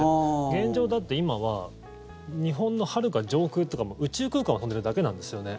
現状、だって今は日本のはるか上空というか宇宙空間を飛んでいるだけなんですよね。